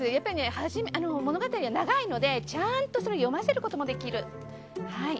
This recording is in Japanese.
物語は長いのでちゃんと読ませることもできる。